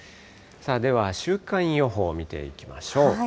では週間予報見ていきましょう。